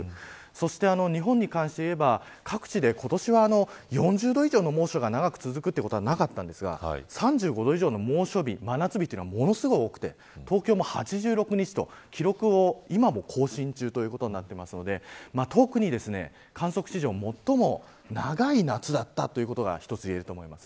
そして、日本に関していえば各地で、今年は４０度以上の猛暑が長く続くことはなかったんですが３５度以上の猛暑日真夏日がものすごく多くて東京も８６日と、記録を今も更新中ということになっているので特に観測史上最も長い夏だったということが一つ言えると思います。